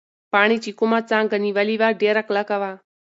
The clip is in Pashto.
پاڼې چې کومه څانګه نیولې وه، ډېره کلکه وه.